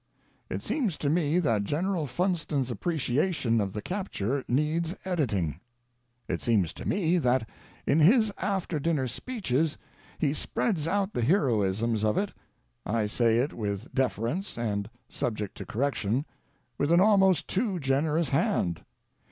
It seems to me that General Funston's appreciation of the Cap ture needs editing. It seems to me that, in his after dinner speeches, he spreads out the heroisms of it — I say it with defer ence, and subject to correction — with an almost too generous hand.